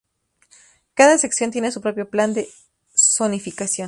Cada sección tiene su propio plan de zonificación.